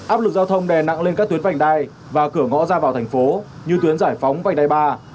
áp lực giao thông đè nặng lên các tuyến vành đai và cửa ngõ ra vào thành phố như tuyến giải phóng vành đai ba